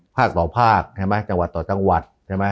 ภาคต่อภาคจังหวัดต่อจังหวัด